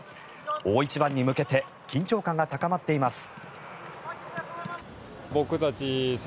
大一番に向けて緊張感が高まっています。